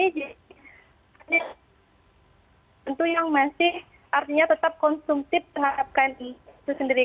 jadi tentu yang masih artinya tetap konsumtif terhadap kain itu sendiri